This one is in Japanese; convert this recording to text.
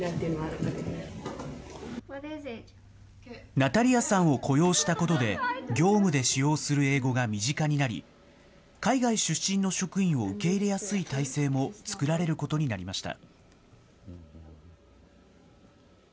ナタリアさんを雇用したことで、業務で使用する英語が身近になり、海外出身の職員を受け入れやすい体制も作られることになりました。